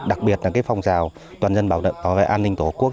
đặc biệt là phòng rào toàn dân bảo vệ an ninh tổ quốc